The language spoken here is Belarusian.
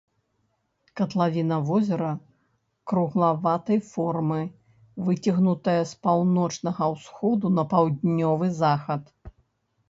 Катлавіна возера круглаватай формы, выцягнутая з паўночнага ўсходу на паўднёвы захад.